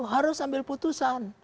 harus ambil putusan